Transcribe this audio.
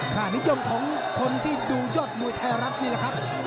ค่านิยมของคนที่ดูยอดมวยไทยรัฐนี่แหละครับ